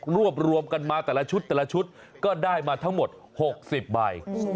รวมรวมกันมาแต่ละชุดก็ได้มาทั้งหมด๖๐ใบ